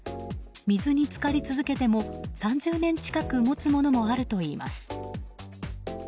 水に浸かり続けても３０年近く持つものもあるといいます。